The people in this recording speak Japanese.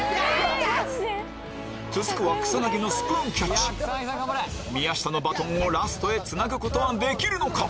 続くは草薙のスプーンキャッチ宮下のバトンをラストへつなぐことはできるのか？